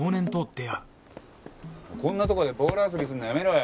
こんなとこでボール遊びするのやめろよ。